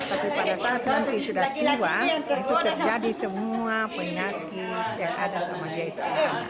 tapi pada saat nanti sudah tua itu terjadi semua penyakit yang ada sama dia itu